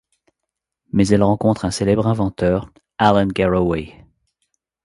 Mais elle rencontre un célèbre inventeur, Alan Garroway.